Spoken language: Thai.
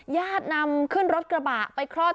ญาตินำขึ้นรถกระบะไปคลอด